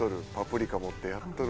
やっとる。